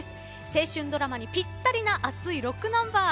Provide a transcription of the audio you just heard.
青春ドラマにぴったりな熱いロックナンバー。